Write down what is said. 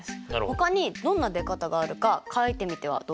ほかにどんな出方があるか書いてみてはどうでしょうか。